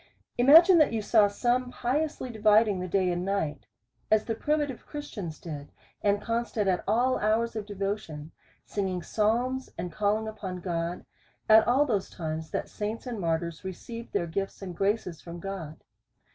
Imagine that you saw some piously dividing the day and night, as the primitive Christians did, and constant at all hours of devotion, singing psalms, and calling upon God, at all those times, that saints and martyrs received their gifts and graces from God.